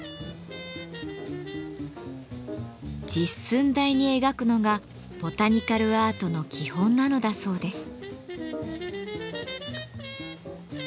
実寸大に描くのがボタニカルアートの基本なのだそうです。